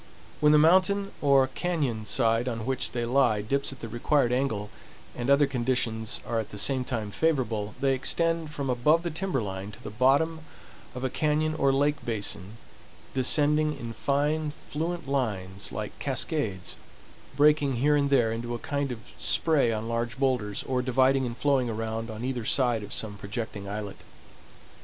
When the mountain or cañon side on which, they lie dips at the required angle, and other conditions are at the same time favorable, they extend from above the timber line to the bottom of a cañon or lake basin, descending in fine, fluent lines like cascades, breaking here and there into a kind of spray on large boulders, or dividing and flowing around on either side of some projecting islet.